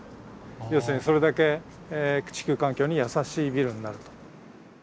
要するにそれだけ地球環境に優しいビルになると。